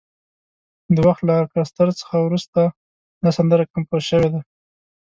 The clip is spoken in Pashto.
د وخت له ارکستر څخه ورته دا سندره کمپوز شوې ده.